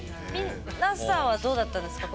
皆さんはどうだったんですか？